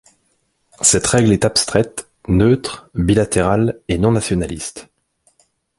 Cette règle est abstraite, neutre, bilatérale et non nationaliste.